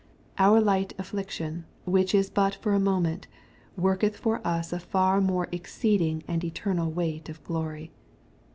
.^' Our light affliction which is but for a moment, worketh for us a far more exceeding and eternal weight of glory."